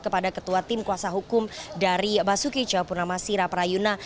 kepada ketua tim kuasa hukum dari basuki jawab pun nama sirap rayuna